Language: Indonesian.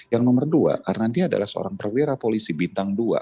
yang nomor dua karena dia adalah seorang perwira polisi bintang dua